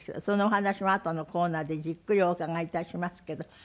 そのお話もあとのコーナーでじっくりお伺い致しますけど。